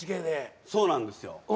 そうなんですよ。